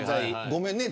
ごめんね。